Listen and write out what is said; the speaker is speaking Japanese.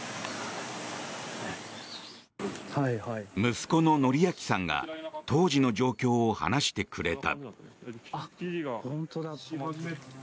息子の紀顕さんが当時の状況を話してくれた。